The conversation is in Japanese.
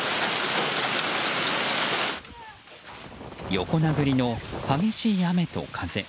横殴りの激しい雨と風。